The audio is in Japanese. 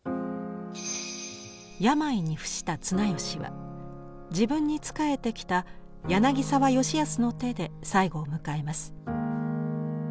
病に伏した綱吉は自分に仕えてきた柳沢吉保の手で最期を迎えます。